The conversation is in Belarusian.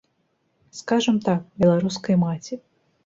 Скажам так, беларускай маці.